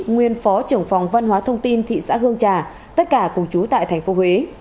nguyễn phó trưởng phòng văn hóa thông tin thị xã hương trà tất cả cùng chú tại thành phố huế